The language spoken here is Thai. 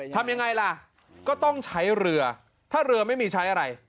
ทำยังไงล่ะก็ต้องใช้เรือถ้าเรือไม่มีใช้อะไร